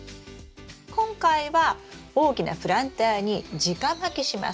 今回は大きなプランターにじかまきします。